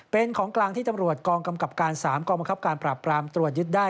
เป็นของกลางที่ตำรวจกองกำกับการ๓กองบังคับการปราบปรามตรวจยึดได้